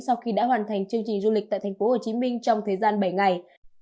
sau khi đã hoàn thành chương trình du lịch tại thành phố hồ chí minh trong thời gian bảy ngày